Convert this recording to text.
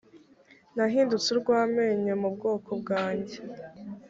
nahindutse urwamenyo mu bwoko bwanjye.